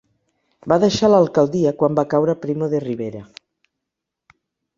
Va deixar l'alcaldia quan va caure Primo de Rivera.